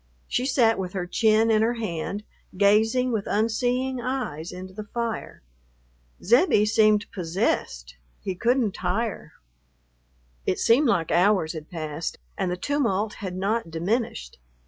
She sat with her chin in her hand, gazing with unseeing eyes into the fire. Zebbie seemed possessed; he couldn't tire. It seemed like hours had passed and the tumult had not diminished.